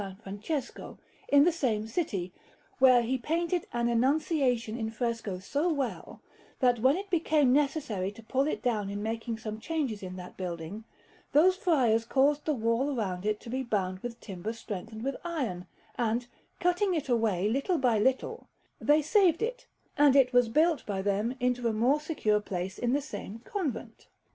Francesco, in the same city, where he painted an Annunciation in fresco so well, that, when it became necessary to pull it down in making some changes in that building, those friars caused the wall round it to be bound with timber strengthened with iron, and, cutting it away little by little, they saved it; and it was built by them into a more secure place in the same convent.